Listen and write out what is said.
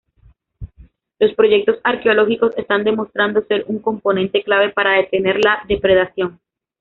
Los proyectos arqueológicos están demostrando ser un componente clave para detener la depredación.